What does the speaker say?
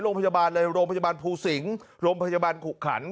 โรงพยาบาลภูศิงร์โรงพยาบาลขุขันศ์